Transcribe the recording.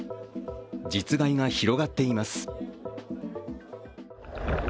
実害が広がっています。